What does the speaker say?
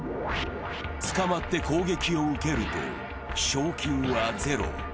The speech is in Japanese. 捕まって攻撃を受けると、賞金はゼロ。